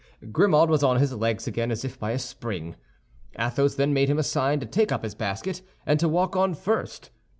Grimaud was on his legs again as if by a spring. Athos then made him a sign to take up his basket and to walk on first.